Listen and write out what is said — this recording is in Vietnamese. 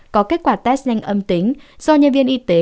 có kết quả test nhanh âm tính do nhân viên y tế